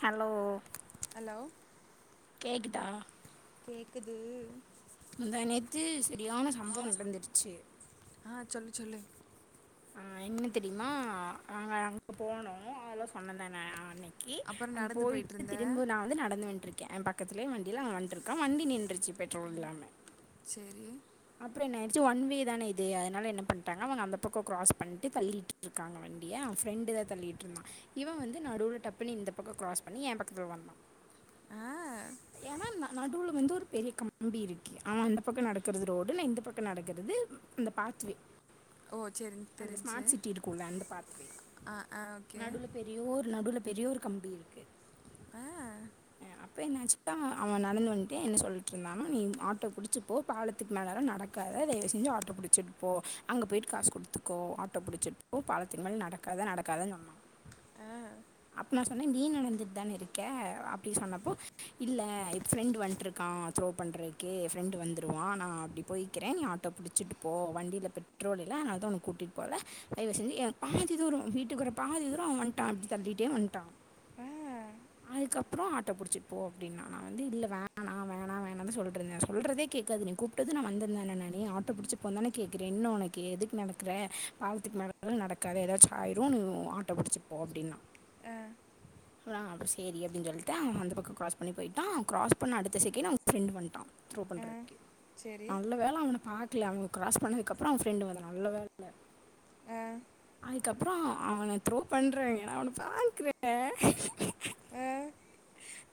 Hello hello கேக்குதா கேக்குது முந்தா நேத்து செரியான சம்பவோ நடந்துருச்சு ஆ சொல்லு சொல்லு ஆ என்ன தெரியுமா நாங்க அங்க போனோ அதெலா சொன்னே தானே அன்னகி கி அப்புறோ அங் நடந்து போயிட்டு போயிட்ருந்த திரும்ப நா வந்து நடந்து வன்டிருக் க எயா பக்கத்துலயே வண்டில அவே வன்டு இருக்கா வண்டி நின்றுச்சி பெட்ரோல் இல்லாம சேரி அப்புறோ என்ன ஆயிடுச்சி ஒன் வே தானே இது அதனால என்ன பண்ணிட்டாங்க அவுங்க அந்த பக்கோ க்ராஸ் பண்ணிட்டு தள்ளிகிட்டுருக்காங்க வண்டிய ஃப்ரெண்டு தா தள்ளிட்டு இருந்தா இவ வந்து நடுவுல டப்புன்னு இந்த பக்கோ கிராஸ் பண்ணி என் பக்கத்துல வந்தா ஆ ஏன்னா ந நடுல வந்து ஒரு பெரிய கம்பி இருக்கு அவே அந்த பக்கோ நடக்குறது ரோடு நா இந்த பக்கம் நடக்குறது இந்த பாத்வே ஓ சேரி அந்த தெரிஞ்ச்சு ஸ்மார்ட் சிட்டி இருக்குள்ள அந்த பாத்வே ஆ ஆ ஓகே நடுவுல பெரியோர் நடுல பெரியோரு கம்பி இருக்கு ஆ இப்ப என்னச்சு நா அவே நடந்து வன்டு என்ன சொல்லிட்டு இருந்தானா நீ ஆட்டோ புடிச்சி போ பாலத் பாலத்க்கு மேலல்லா நடக்காத தயவு செஞ்சி ஆட்டோ புடிச்சிட்டுப்போ அங்க போயி காசு குடுத்துக்கோ ஆட்டோ பிடிச்சு போ பா பாலதுக்கு மேல நடக்காத நடக்காதன்னு சொன்னா ஆ அப்ப நா சொன்னே நீ நடந்துட் தானே இருக்க அப்டின் சொன்னப்போ இல்ல ஃப்ரெண்டு வன்டிருக்கா த்ரோ பண்றதுக்கே ஃப்ரெண்டு வந்துருவா நா அப்டி போய்கிறே நீ ஆட்டோ புடிச்சிட்டு போ வண்டியில பெட்ரோல் இல்ல அதனாலதா உன்ன கூட்டிகிட்டு போல தயவு செஞ்சி ஏ பாதி தூரோ வீட்டுக்கு வர பாதி தூரோ அவே வன்டா அப்டி தள்ளிட்டே வன்டான் ஆ அதுக்கப்புறோ ஆட்டோ புடிச்சுட்டு போ அப்டின்னா நா வந்து இல்ல வேணா வேணா வேணான்னு தா சொல்டு இருந்தே சொல்றதே கேட்காது நீ கூப்டது நா வந்த தானே நானே ஆட்டோ புடிச்சி போ தானே கேக்குறே என்ன உனக்கு எதுக்கு நடக்குற பாலத்துக்கு மேல [inaudible] நடக்காத ஏதாச்சு ஆயிரு நீ ஆட்டோ புடிச்சுப்போ அப்டின்னா அ அ அப்புறோ சேரி அப்டின் சொல்லிட்டு அவே அந்த பக்கோ கிராஸ் பண்ணி போய்ட்டா அவே கிராஸ் பண்ண அடுத்த செகண்ட் அவே ஃபிரண்டு வன்டா டோக் ஆ பண்றக்கு சேரி நல்ல வேல அவன பாக் பாக்ல அவே கிராஸ் பண்ணதுக்கப்புறோ அவே ஃப்ரெண்டு வர்றா நல்ல வேல ஆ அதுக்கப்புறோ அவ அவன த்ரோ பண்றன் அவன பாக்குறே ஆ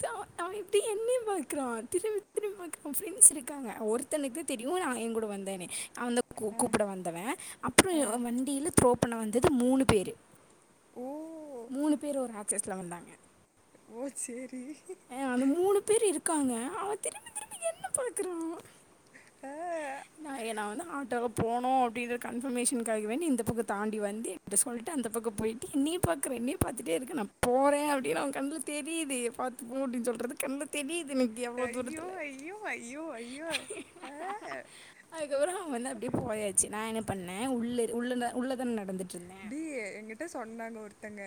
த அவே அவே இப்டி என்னே பாக்குறா திரும்பி திரும்பி பாக்குறா ப்ரெண்ட்ஸ் இருக்காங்க ஒருத்தனுக்கு தெரியு நா அவே ஏயா கூட வந்தேனு அவேந்தா கூ ஆ கூப்புட வந்தவ ஆ அப்புறோ வண்டியில த்ரோ பண்ண வந்தது மூணு பேரு ஓ மூணு பேர் ஒரு ஆக்சஸ்ல வந்தாங்க ஓ சேரி அஹ் அந்த மூணு பேர் இருக்காங்க அவே திரும்பி திரும்ப என்ன பாக்குறா ஆ நா என்ன வந்து ஆட்டோல போனு அப்டின்ற கன்ஃபர்மேஷன்காக வேண்டி இந்த பக்க தாண்டி வந்து என்ட்ட சொல்ட்டு அந்த பக்க போய்ட்டு என்னயே பாக்குற என்னயே பாத்துட்டே இருக்கு நா போறே அப்டின் அவ கண்ல தெரிது பாத்து போன் அப்டின் சொல்றது கண்ல தெரியுது எனக்கி அவ்ள ஐயோ தூரத்துல ஐயோ ஐயோ ஐயோ ஆ அதுக்கப்புற அவ வந்து அப்டியே போயாச்சு நா என்ன பண்ணே உள்ள உள்ள உள்ளதான நடந்துட் டி எங்கிட்ட சொன்னாங்க ஒருத்தங்க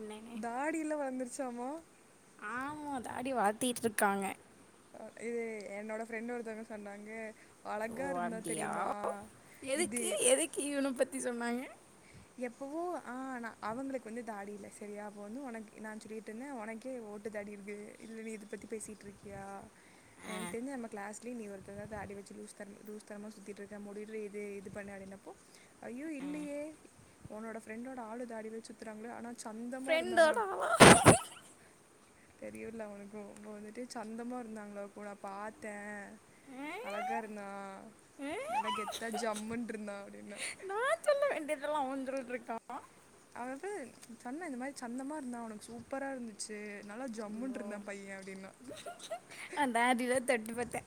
என்னன்னு தாடியெலா வளந்துருச் சாமா ஆமா தாடி வளத்திட்ருக்காங்க இது என்னோட ஃப்ரெண்ட் ஒருத்தவங்க சொன்னாங்க ஓ அழகா இருந்தா அப்படியா தெரியுமா இது எதுக்கு எதுக்கு இவனை பற்றி சொன்னாங்க எப்பவோ ஆ ந அவங்களுக்கு வந்து தாடி இல்ல சரியா அப்போ வந்து உனக் நா சொல்லிட்ருந்தே ஒனக்கே ஒட்டு தாடி இருக்கு இல்லடி இத பத்தி பேசிட்ருக்கியா எனக்கு தெரிஞ்சு நம்ம க்ளாஸ்லயே நீ ஒருத்தந்தா தாடி வச்சு லூஸ்த லூஸ்தனமா சுத்திட்ருக்க முடி ரி இது இது பண்ணாத என்னப்போ ஐயோ இல்லையே உன்னோட ஃப்ரெண்டோட ஆளு தாடி வச்சி சுத்துறாங்கள ஆனா ஃப்ரெண்டோட ஆளா தெரியவுல அவுனுக்கு இப்ப வந்துட்டு சந்தமா இருந்தாங்ள அப்போ நா பாத்த ஆ? அழகா இருந்தா நல்லா கெத்தா ஆ? ஜம்முன் இருந்தா அப்டின்னா இதெல்லா அவஞ்சொல்ட்ருக்கானா அவ அப்ப சொன்ன இந்த மாரி சந்தமா இருந்தா அவுனுக்கு சூப்பரா இருந்துச்சு நல்லா ஜம்முன் அம்போ இருந்தா பைய அப்டினா தொட்டு பாத்த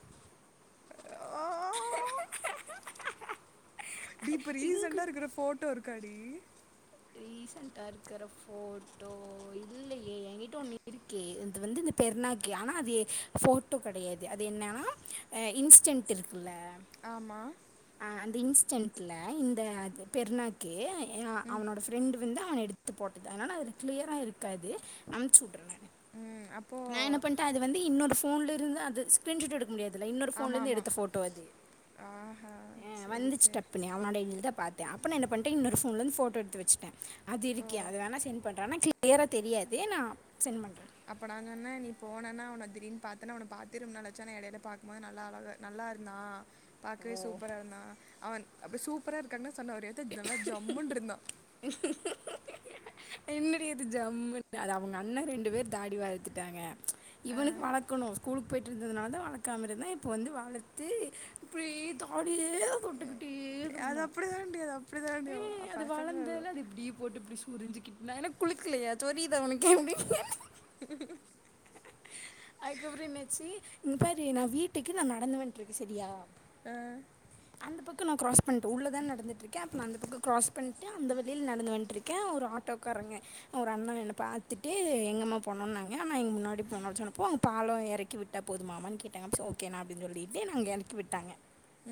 டி இப்ப ரீசண்டா இங்குட் இருக்கற ஃபோட்டோ இருக்காடி ரீசண்ட்டா இருக்கிற ஃபோட்டோ இல்லையே எங்கிட்ட ஒண்ணு இருக்கே இது வந்து இந்த பெருனாக் கி ஆனா அது ஃபோட்டோ கெடையாது அது என்னனா இன்ஸ்டன்ட் இருக்குல ஆமா சென்ட்ல இந்த பெருனாக்கு அ ம் அவனோட ஃப்ரெண்டு வந்து அவன எடு த்து போட்டது அதனால அதுல க்ளியரா இருக்காது அனுப்ச்சி உடற ம் நா என்ன அப்போது பண்ட்ட அது வந்து இன்னொரு ஃபோன்ல இருந்து அது ஸ்கிரீன்ஷாட் எடு க்க முடியாதுல இன்னொரு ஃபோன்ல ஆமாம் இருந்து ஆமாம் எடுத்த ஃபோட்டோ அது ஆஹா ஆ சரி வந்துச்சு சரி டப்புனு அவனோட இத பாத்தே அப்ப நா என்ன பண்ட்ட இன்னொரு ஃபோன்லர்ந்து ஃபோட்டோ எடுத்து வச்சுட்ட அது இருக்கி ஓ அது வேணா சென்ட் பண்ற ஆன க்ளியரா தெரியாது நா சென்ட் பண்ற அப்ப நாஞ்சொன்ன நீ போனனா உன்ன திடீன் பாத்தனா உன்ன பாத்தே ரொம்ப நாளாச்சு ஆனா எடைல பாக்கும்போது நல்லா அழகா நல் லா இருந்தா பாக்கவே ஓ சூப்பரா இருந்தா அவன் அப்டி சூப்பரா இருக்கான்ன சொன்ன ஒரு எத்த நல்லா ஜம்முன்ருந்தா என்னடி அது ஜம்முன் அது அவுங்க அண்ண ரெண்டு பேர் தாடி வளத்துட்டாங்க இவனுக்கு அஹ் வளக்கணு ஸ்கூலுக்கு போயி ட்ருந்ததனால தா வளக்காம இருந்தா இப்போ வந்து வளத்தி இப்டி தாடியே தா தொட்டுகிட்டே அது இருக்கனு அப்படி தாண்டி அது அப்படி தாண்டி ஏ அது பசங்க வளந்தல அது இப்டியே போட்டு இப்டி சொரிஞ்சு கிட் நா என்ன குளிக்கலயா சொரியிதா உனக்கு அப்டி அதுக்கப்புற என்னாச்சி இங்க பாரு நா வீட்டுக்கு நா நடந்து வன்ட்ருக்க சரியா ஆ அந்த பக்க நா க்ராஸ் பண்ட்ட உள்ளே தான நடந்துட்ருக்கே அப்ப நா அந்த பக்க கிராஸ் பண்ட்டு அந்த வழில நடந்து வன்ட்ருக் க ஒரு ஆட்டோக்காரங்க ஒரு அண்ணா என்ன பாத்துட்டு எங்கமா போணனுனாங்க அண்ணா இங்க முன்னாடி போனு சொன்னொப்ப பால எறக்கி விட்டா போதுமாமான் கேட்டாங்க ட்ஸ் ஓகேணா அப்டின் சொல்லிட்டு என்ன அங்க எறக்கி விட்டாங்க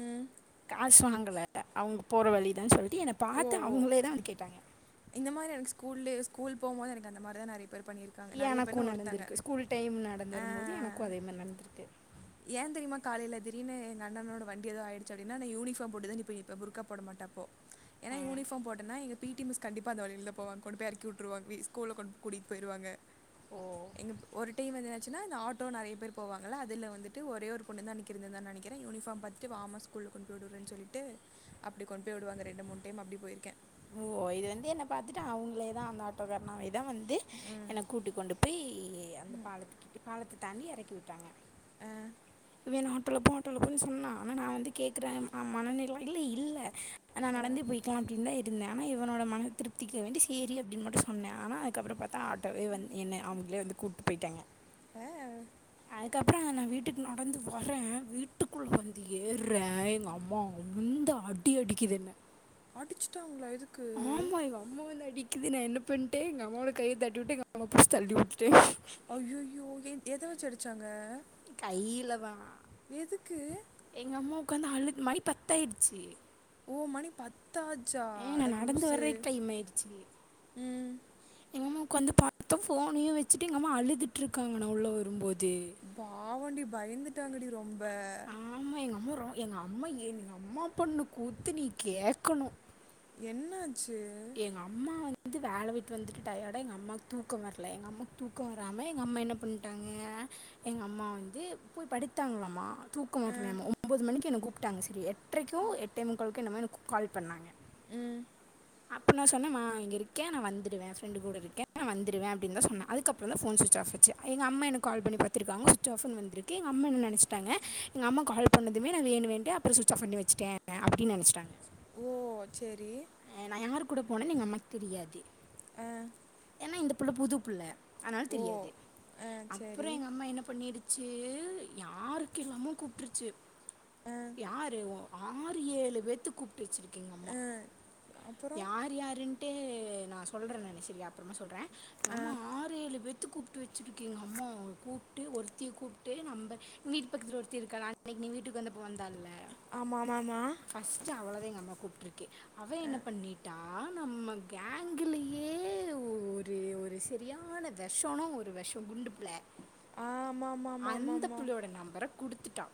ம் காசு வாங்கல அவுங்க போற வழிதா சொல்ட் என்னை ஓ பாத்து ஓ அவங்களே தா வந்து கேட்டாங்க இந்த மாதிரி எனக்கு ஸ்கூல ஸ்கூல் போககு போது எனக்கு அந்த மாதிரிதா நிறய பேர் பண்ணியிருக்காங்க நிறைய பேர் எனக்கும் ஒருத்தாங்க நடந்திருக்கு ஸ்கூல் டைம் நடந்து ஆ வரும்போது எனக்கும் அதே மாதிரி நடந்திருக்கு ஏன் தெரியுமா காலையில தீடிருனு என் அண்ணனோட வண்டி ஏதோ ஆயிச்ச அப்படின்னா யூனிபாம் போட்டுதான் இப்ப புருக்கா போட அப்போ ஆ ஏன்னாயூனிபார் போட்டன்னா எங்க பிடிமிஸ் கண்டிப்ப அந்த வழியில போவாங்க கொண்டு போய் இரக்கி விட்டுருவாங்க ஸ்கூல கொண்டு கூட்டிட்டு போயிருவாங்க ஓ எங்க ஒரு டைம் வந்து என்னாச்சுன்னா இந்த ஆட்டோ நிறைய பேர் போவாங்கள அதுல வந்துட் ஒரே ஒரு பொண்ணு தான் நிக்கிது நினக்கிறேன் யுனிபார்ம் பாத்துட்டு வாமா ஸ்கூல்ல கொண்டு போய் விடுறனு சொல்லிட்டு அப்புடி கொண்டு போய் விடுவாங்க ரெண்டு மூணு டைம் அப்புடி போயிருக்கே ஓ இது வந்து என்ன பாத்துட்டா அவுங்களேதான் அந்த ஆட்டோக்காரனவே தான் வந்து என கூட்டிகொண்டி போய் அந்த பாலத்து கிட் பாலத்து தணியா இறக்கி விட்டாங்க அஹ், வேண ஆட்டோல போக ஆட்டோல போனு சொன்னான் ஆனா நான் வந்து கேக்குறே மனநிலைமைல இல்ல நா நடந்து அஹ், போயிகலா அப்புடித்தா இருந் இருந்தோ இவனோட மன திருப்திக்க வேண்டி சரி அப்படின்னு மட்டு சொன்னே ஆனா அதுப்புற பாத்த ஆட்டோவே என்ன அவ அவங்கல வந்து கூப்புட்டு போயிட்டாங்க அஹ், அதுக்கப்ப [inaudible] வீட்டுக்கு நடந்து வறே வீட்டுக்குள்ள வந்து ஏறுறே எங்க அம்மா அந்த அடி அடி இது என்ன அடிச்சுட்டாங்களா எது ஆமா எங்க அம்மா வந்து அடிக்குது நான் என்ன பண்டே எங்க அம்மாவோட கையை தட்டிவிட்டு எங்க அம்மா புடிச்சி தள்ளி விட்ட ஐய்யோ எதை வச்சி அடிச்சாங்க கைல தான் எதுக்கு எங்க அம்மா உட்காந்து அழு மணி பத்தாயிடுச்சு ஓ மணி பத்தாச்சா ஏ அட நான் நடந்து லூசு வர்றதுக்கு டைம் ஆயிடுச்சு ம் எங்க அம்மா உக்காந்து பாத்த போபனையே வச்சிட்டு எங்க அம்மா அழுதுட்டு இருக்காங்க நா உள்ள வரும்போது ஆமா டி பயந்துட்டாங்கடி ரொம்ப ஆமா எங்க அம்மா ரொம்ப எங்க அம்மா எங்க அம்மா பண்ண கூத்து நீ கேக்கணு என்ன எங்க அம்மா வந்து இது வேலை விட்டு வந்துட்டு டயட்லா எங்க அம்மாக்கு தூக்க வரல எங்க அம்மாக்கு தூக்க வராம எங்க அம்மா என்ன பண்ணிட்டாங்க எங்கள் அம்மா வந்து போய் படுத்தாங்களாமா தூக்க ஆ வரலாயமா ஒம்பது மணிக்கு என்ன கூப்பிட்டாங்க சரி எறைரைக்கோ எட்டே முக்காலுக்கோ என்ன மாதிரி கால் பண்ணாங்க ம் அப்போ நான் சொன்னமா இங்கே இருக்கே நான் வந்துடுவே ப்ரண்டு கூட இருக்கே நான் வந்துடுவே அப்டின்னுதா சொன்ன அதுக்கப்புற தா போன் ஸ்சுச் ஆப் எங்க அம்மா எனக்கு கால் பண்ணி பத்துருக்காங்க சுச் ஆப்னு வந்திருக்கு எங்க அம்மா நினைச்சிட்டாங்க எங்க அம்மா கால் பண்ணதுமே நான் வேணு வேண்டே அப்பறம் சுவிட்ச் ஆப் பண்ணிச்சிட்டே அப்புடின்னு நினைச்சிட்டாங்க ஓ சரி நான் யார் கூட போனேனு எங்க அம்மாக்கு தெரியாது ஆ ஏன்னா இந்த பிள்ள புது புள்ள அதனால ஓ தெரியாது ஆ சரி அப்புறம் எங்க அம்மா என்ன பண்ணி ச்சு யாருக்கு எல்லாமொ கூப்பிடிருச்சு ஆ யாரு ஆறு ஏழு பேர்த்து கூப்பிட்டு வச்சருக்கிகு எங்க அம்மா ஆ அப்புறம் யார் யாருன்ட்டு நான் சொல்றேன் நா சரி அப்பறமா சொல்றே ஆ நம்ம ஆறு ஏழு பேர் கூப்பிட்டு வச்சிருக்கீங்க அம்மா கூப்பிட்டு ஒருத்தி கூப்பிட்டு நம்ப வீட்டு பக்கத்துல ஒருத்தி இருக்குறாலே நீ வீட்டுக்கு வந்தப்ப வந்தால்ல ஆமாம் ஆமாம் பஸ்ட் அவ்ளோதா எங்க அம்மா கூப்பிட்ருக்கு அவ ஆ என்ன பண்ணிட்டா [inaudible] நம்ம கேங்கலேயே ஒரு ஒரு சரியான விஷம் ஒரு விஷம் குண்டுப்புள்ள ஆமாம் ஆமாம் ஆமாம் அந்த ஆமாம் பிள்ளையோட நம்பர குடுத்துட்டா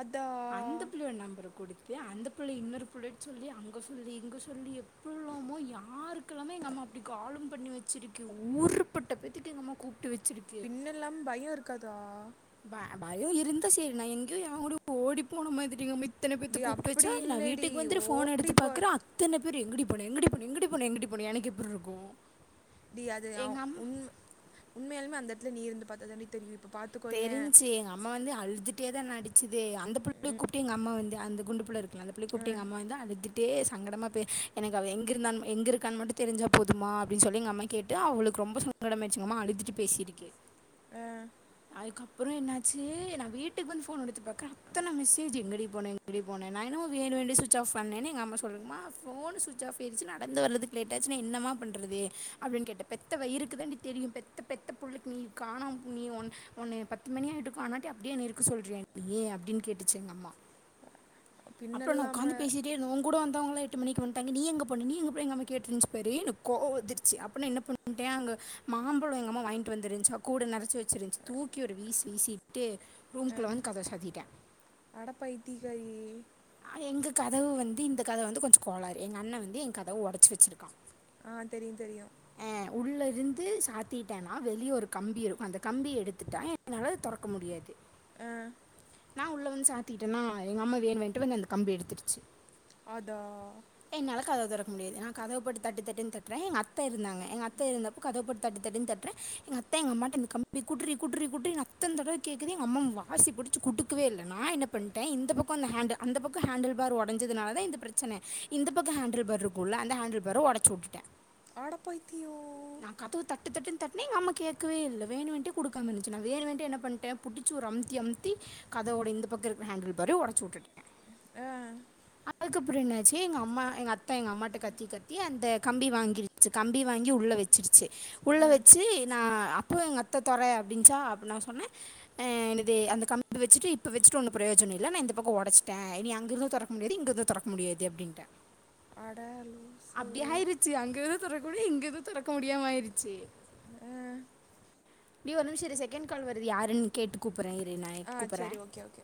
அதா அந்த பிள்ளையோட நம்பர கொடுத்து அந்த பிள்ளை இன்னொரு பிள்ளையிட்ட சொல்லி அங்க போன் சொல்லி இங்கே சொல்லி எப்பல்லமோ யாருக்கெல்லாமோ எங்கள் அம்மா அப்படி கால் பண்ணி வச்சிருக்கு ஒரு பட்ட பேத்தக்கு எங்கம்மா கூப் பின்னல்லாம் பயோ இருக்காதா ப பயோ இருந்தா சரி நா எங்கேயோ எவ கூடயே ஓடி போன மாதிரிங்க இத்தனை பேத்த டி கூப்ட்டு அப்படி வச்சா நா இல்லடி வீட்டுக்கு வந்து ஃபோன் ஓடி எடுத்து போகிறது பாக்குற அத்தன பேர் எங்கடி போ போன எங்கடி போண எங்கடி போண எனக்கு எப்படி இருக்கும் டி அது ஆ எங்கள் அம் உண் உண்மையாலுமே அந்த இடத்துல நீ இருந்து பாத்த தாடி தெரிய தெரிஞ்சு எங்க அம்மா வந்து அழுதுட்டே தா என்ன நடிச்சதே அந்த புள்ள கூப்பிட்டு எங்க அம்மா வந்து அந்த குண்டு புள்ள இருக்குல அந்த புள்ளைய அ கூப்ட்டு எங்க அம்மா வந்து அழுட்டு டே சங்கடமா பே எனக்கு அவ எங்க இருந்தான் எங்க இருக்க மட்டு தெரிஞ்சா போதுமா அப்டின்னு சொல்லி எங்க அம்மா கேட்டு அவளுக்கு ரொம்ப சங்கடமாயிடுச்சு எங்க அம்மா அழுட்டு பேசியிருக்கு அ அதுக்கப்ரோ என்னாச்சு நா வீட்டுக்கு வந்து ஃபோன் எடுத்து பாக்ற அத்தன மெசேஜ் எங்கடி போன எங்கடி போன ந என்னமோ வேணு வேணுன்ட்டே ஸ்விட்ச் ஆஃப் பண்ணானு எங்க அம்மா சொல்லுது மா ஃபோன் ஸ்விட்ச் ஆஃப் ஆயிருச்சு நடந்து வரதுகு லேட் ஆச்சுன என்ன மா பன் ன்ரதே அப்படின்னு கேட்ட பெத்த வயிறுக்கு தாண்டி தெரியும் பெத்த பெத்த புள்ளை நீ காண நீ ஒன்னய பத்து மணி ஆயிட்டு கானாட்டி அப்படியே என்ய இருக்க சொல்ரியா நீ அப்படின்னு கேட்டுச்சு எங்க அம்மா அப்ரோ நா பின்னல்லாம உட்கந்து பேசிட்டே இருந்த உங் கூட வந் தவங்கள எட்டு மணிக்கு வன்டாங்க நீ எங்க போன நீ எங்க போனன்னு எங்க அம்மா கேட்டுருச்சு பாரு எனக் கோவோ வந்துடுச்சு அப்போ நான் என்ன பண்ட்ட அங்க மாம்பழம் எங்கம்மா வாங்கிட்டு வந்துருந்துச்சா கூட நரச்சி வச்சிருச்சு தூக்கி ஒரு வீசு வீசிட்டு ரூம் கலான் கதவ சாத்திட்ட அடப் பயித்திய காரியே எங்க கதவு வந்து இந்த கதவு வந்து கொஞ்சோ கோளாறு எங்க அண்ணன் வந்து எங்க கதவ உடச்சு வச்சிருக்கா ஆ தெரியு தெரியும் உள்ளே இருந்து சாத்திட்டேன்னா வெளிய ஒரு கம்பி இருக்கும் அந்த கம்பிய எடுத்துட்டா என்னால தொறக்க முடியாது ஆ நா உள்ள வந்து சாத்திட்டன்னா எங்க அம்மா வேனு வேனுன்ட்டு வந்து அந்த கம்பிய எடுத்துடுச்சு அதா திறக்க முடியாது என கதப்பட்டு தட்டத்தட்டுன் தட்டுறே எங்க அத்த இருந்தாங்க எங்க அத்த இருந்த கதப்பட்டு தட்டு தட்டுனு தட்ர எங்க அத் தா எங்க அம்மாட்ட இந்த கம்பி குடுரி குடுரி குடுரினு அத்தனா தடவ கேக்குது எங்க அம்மா வாசி புடிச்சு குட்டுக்கவே இல்ல நா என்ன பண்ட்ட இந்த பக்கம் அந்த ஹேண்ட் அந்த பக்கம் ஹேண்டில் பார் உடஞ்சதுனால தா இந்த பிரச்சனை இந்த பக்க ஹேண்டில் பார் இருக்குல அந்த ஹேண்டில் பார உடச்சி உட்டுட்ட அட பைத்தியோ நா கதவு தட்டு தட்டுனு தட்ன எங்க கே்கவே இல்ல வேணு வேணுன்டே கொடுக்காம இருந்துச்சு நா வேணு வேணுன்டே பண்ணிட்ட புச்சு ஒரு அம்த்தி அம்த்தி அதோட இந்த பக்கோ ஹேண்டில் பாரயு உடச்சுட்டுட்டு ஆ அதுக்கப்ரோ என்னாச்சு எங்க அம்மா எங்க அத்த எங்க அம்மாட்ட கத்தி கத்தி அந்த கம்பி வாங்கிருச்சு கம்பி வாங்கி உள்ள வெச்சிருச்சு உள்ள ஆ வச்சு நா அப்போ எங்க அத்த தொற அப்படின்ச்சா அப்போ நா சொன்ன ஆ எனது அந்த கம்பி வச்சட்டு இப்ப வச்சுட்டு ஒன்னு பிரயோ ஜோன இல்ல நா இந்த பக்கோ உடச்சுட்ட இனி அங்கிருந்து தோறக்க முடியாது இங்கிருந்து தோறக்க முடியாது அப்படின்ட்ட அட லூசு துறக்க முடிய இங்கது தோறக்க முடியாம ஆயிருச்சு ஆ டி ஒரு நிமிஷோ இரு செகண்ட் கால் வருது யாருன்னு கேட்டு கூப் பர இரு நா ஆ குப்புர செரி ஓகே ஓகே